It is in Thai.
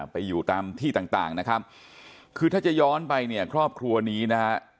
ไปอยู่ตามที่ต่างนะครับคือถ้าจะย้อนไปเนี่ยครอบครัวนี้นะฮะ